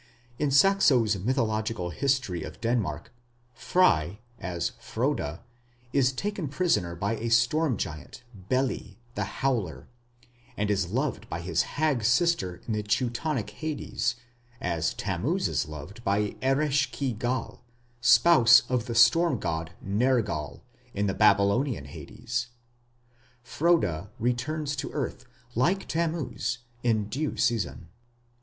In Saxo's mythical history of Denmark, Frey as Frode is taken prisoner by a storm giant, Beli, "the howler", and is loved by his hag sister in the Teutonic Hades, as Tammuz is loved by Eresh ki gal, spouse of the storm god Nergal, in the Babylonian Hades. Frode returns to earth, like Tammuz, in due season.